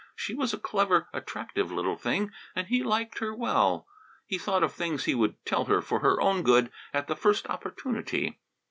She was a clever, attractive little thing and he liked her well. He thought of things he would tell her for her own good at the first opportunity.